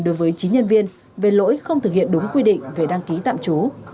đối với chín nhân viên về lỗi không thực hiện đúng quy định về đăng ký tạm trú